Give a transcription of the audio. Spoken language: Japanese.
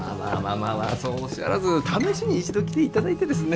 まあそうおっしゃらず試しに一度来ていただいてですね。